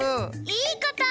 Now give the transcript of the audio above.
いいこと！